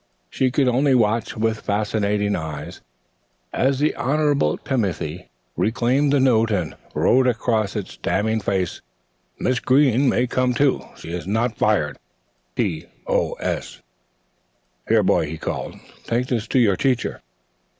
She could only watch with fascinated eyes as the Honorable Timothy reclaimed the note and wrote across it's damning face: "Miss Greene may come to. She is not fired. T. O'S." "Here, boy," he called; "take this to your teacher."